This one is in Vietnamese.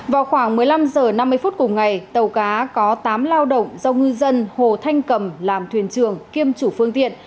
vào khoảng một mươi năm h năm mươi phút cùng ngày tàu cá có tám lao động do ngư dân hồ thanh cầm làm thuyền trường kiêm chủ phương tiện